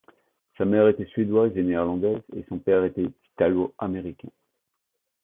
Sa mère était suédoise et néerlandaise et son père était italo-américain.